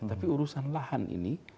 tapi urusan lahan ini